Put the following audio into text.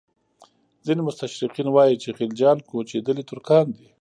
ځینې مستشرقین وایي چې خلجیان کوچېدلي ترکان دي.